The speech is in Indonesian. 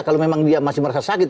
kalau memang dia masih merasa sakit